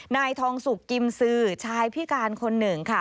นายทองสุกกิมซือชายพิการคนหนึ่งค่ะ